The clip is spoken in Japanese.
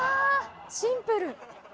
シンプル！